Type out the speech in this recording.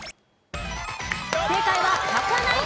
正解はまかない。